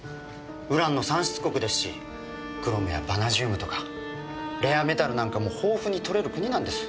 ウランの産出国ですしクロムやバナジウムとかレアメタルなんかも豊富に採れる国なんです。